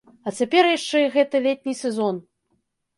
А цяпер яшчэ і гэты летні сезон!